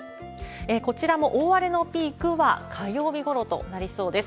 こちらも大荒れのピークは火曜日ごろとなりそうです。